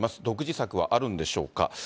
独自策はあるんでしょうか。